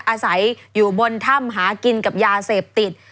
อาศัยอยู่บนถ้ำหากินกับยาเสพติด